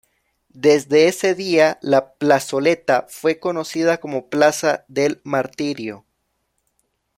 Desde ese día la plazoleta fue conocida como "Plaza del Martirio".